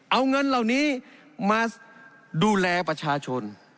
เอาเงินเหล่านี้มาดูแลประชาชน